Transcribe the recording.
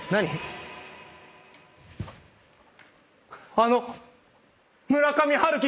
あの村上春樹